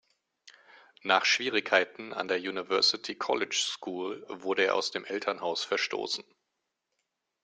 Nach Schwierigkeiten an der University College School wurde er aus dem Elternhaus verstoßen.